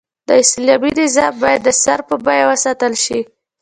د اسلامي نظام بايد د سر په بيه وساتل شي